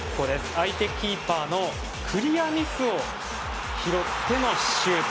相手キーパーのクリアミスを拾ってのシュート。